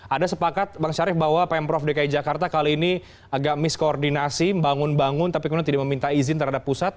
ada sepakat bang syarif bahwa pemprov dki jakarta kali ini agak miskoordinasi membangun bangun tapi kemudian tidak meminta izin terhadap pusat